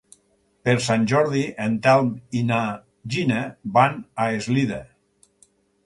Per Sant Jordi en Telm i na Gina van a Eslida.